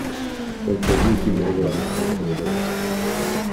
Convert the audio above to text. Poiché gli ultimi regolamenti prevedono ciò.